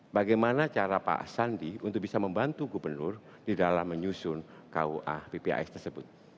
bagaimana cara pak sandi untuk bisa membantu gubernur di dalam menyusun kua ppas tersebut